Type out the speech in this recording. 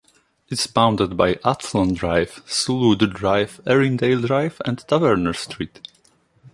It is bounded by Athllon Drive, Sulwood Drive, Erindale Drive and Taverner Street.